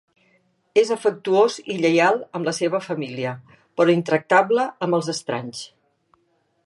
És afectuós i lleial amb la seva família, però intractable amb els estranys.